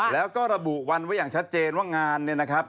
แล้วก็ระบุวันไว้อย่างชัดเจนว่างานเนี่ยนะครับ